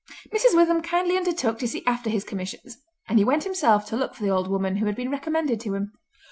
Mrs. Witham kindly undertook to see after his commissions, and he went himself to look for the old woman who had been recommended to him.